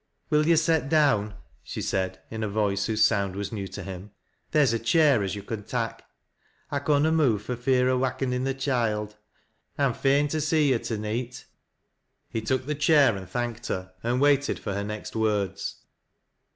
" "Will yo' set down %" she said in a voice whose sound wae new to him. " Theer's a chair as yo' con tak', I con na move fur fear o' wakenin' th' choild. I'm fain to see yo' to neet." lie took the chair and thanked her, and waited for her next words.